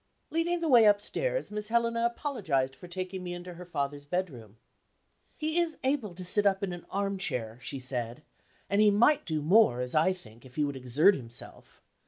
Leading the way upstairs, Miss Helena apologized for taking me into her father's bedroom. "He is able to sit up in an armchair," she said; "and he might do more, as I think, if he would exert himself.